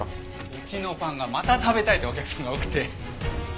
うちのパンがまた食べたいってお客さんが多くて。